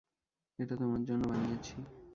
এটা তোমার জন্য বানিয়েছি।